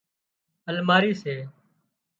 الماڙِي سي